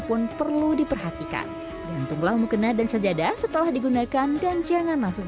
pun perlu diperhatikan dihentunglah mukena dan sajadah setelah digunakan dan jangan langsung